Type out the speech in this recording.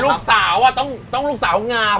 ลูกสาวต้องลูกสาวงาม